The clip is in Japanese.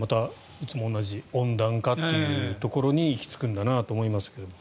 いつも同じ温暖化というところに行き着くんだなと思いますが。